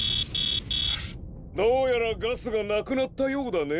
どうやらガスがなくなったようだね。